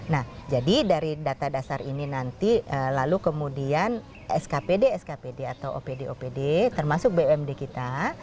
nah jadi dari data dasar ini nanti lalu kemudian skpd skpd atau opd opd termasuk bumd kita